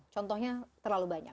contohnya terlalu banyak